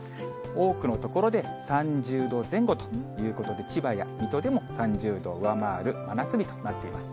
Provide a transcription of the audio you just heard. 多くの所で３０度前後ということで、千葉や水戸でも３０度を上回る真夏日となっています。